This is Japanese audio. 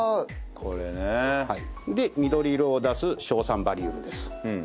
これねえ。で緑色を出す硝酸バリウムです。